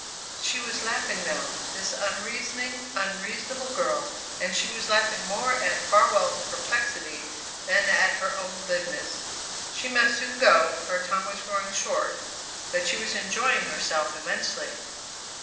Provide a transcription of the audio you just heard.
She was laughing now, this unreasoning, unreasonable girl, and she was laughing more at Farwell's perplexity than at her own glibness. She must soon go, her time was growing short, but she was enjoying herself immensely.